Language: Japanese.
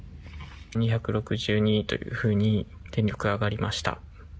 ２６２というふうに電力が上がりました。